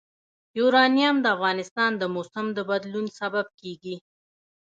یورانیم د افغانستان د موسم د بدلون سبب کېږي.